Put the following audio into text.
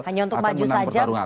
hanya untuk maju saja